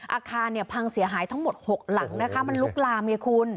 อาคารเนี่ยพังเสียหายทั้งหมด๖หลังนะคะมันลุกลามไงคุณ